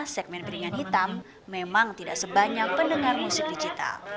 segment piringan hitam memang tidak sebanyak pendengar musik digital